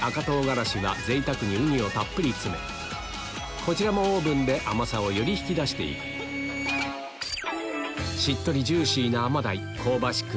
贅沢にウニをたっぷり詰めこちらもオーブンで甘さをより引き出して行くしっとりジューシーなアマダイ香ばしく